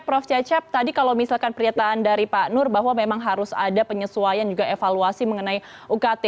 prof cecep tadi kalau misalkan pernyataan dari pak nur bahwa memang harus ada penyesuaian juga evaluasi mengenai ukt